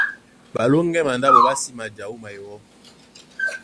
Ɓalóŋgɛ́ mandáɓo ɓá sí maja wúma iwɔ́,